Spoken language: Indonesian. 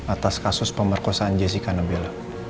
atas kasus pemerkosaan jessica nambela